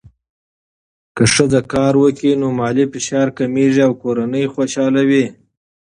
که ښځه کار وکړي، نو مالي فشار کمېږي او کورنۍ خوشحاله وي.